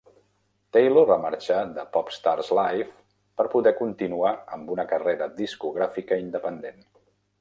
Taylor va marxar de "Popstars Live" per poder continuar amb una carrera discogràfica independent.